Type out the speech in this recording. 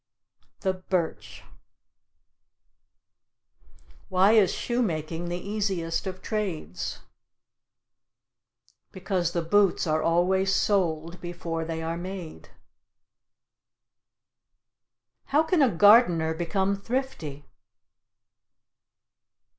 The birch. Why is shoemaking the easiest of trades? Because the boots are always soled before they are made. How can a gardener become thrifty?